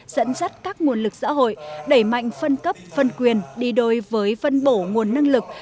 dẫn dắt các nguồn lực xã hội đẩy mạnh phân cấp phân quyền đi đôi với vân bổ nguồn năng lực